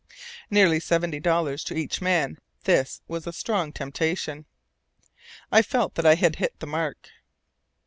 Nearly seventy dollars to each man; this was a strong temptation. I felt that I had hit the mark.